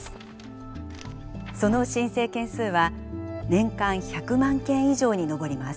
その申請件数は年間１００万件以上に上ります。